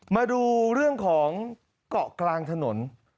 มาดูเรื่องของเกาะกลางถนน